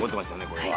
これは。